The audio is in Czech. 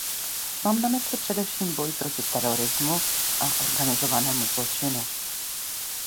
Mám na mysli především boj proti terorismu a organizovanému zločinu.